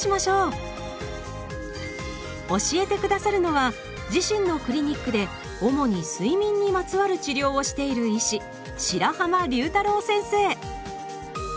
教えて下さるのは自身のクリニックで主に睡眠にまつわる治療をしている医師先生